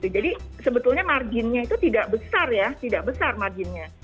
sebetulnya marginnya itu tidak besar ya tidak besar marginnya